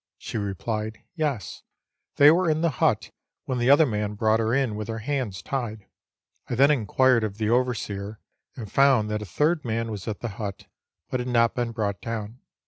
She replied, " Yes," they were in the hut when the other man brought her in with her hands tied. I then inquired of the overseer, and found that a third man was at the hut, but had not been brought down.